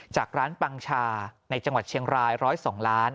จากร้านปังชาในจังหวัดเชียงราย๑๐๒ล้าน